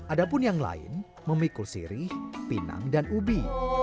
adapun yang lain memikul sirih pinang dan ubi